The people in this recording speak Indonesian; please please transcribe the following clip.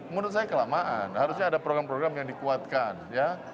menurut saya kelamaan harusnya ada program program yang dikuatkan ya